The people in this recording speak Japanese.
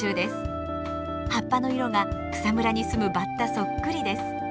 葉っぱの色が草むらに住むバッタそっくりです。